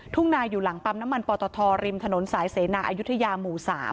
ทุ่งนาอยู่หลังปั๊มน้ำมันปตทริมถนนสายเสนาอายุทยาหมู่๓